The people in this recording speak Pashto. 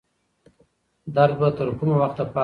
درد به تر کومه وخته پاتې وي؟